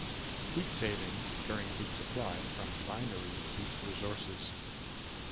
Heat saving during heat supply from binary heat resources.